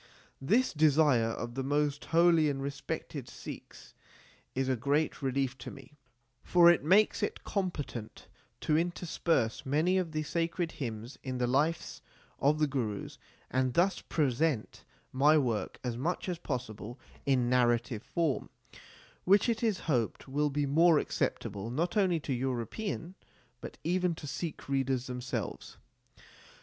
This desire of the most holy and respected Sikhs is a great relief to me, for it PREFACE xvii makes it competent to intersperse many of the sacred hymns in the lives of the Gurus, and thus present my work as much as possible in narrative form, which it is hoped will be more acceptable not only to European, but even to Sikh readers themselves.